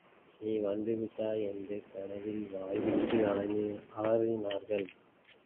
நீ வந்துவிட்டாய் என்று கனவில் வாய்விட்டு அரற்றினான்.